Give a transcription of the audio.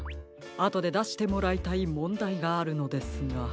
あとでだしてもらいたいもんだいがあるのですが。